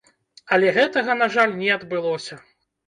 Але гэтага, на жаль, не адбылося.